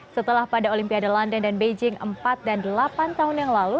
setelah pada olimpiade london dan beijing empat dan delapan tahun yang lalu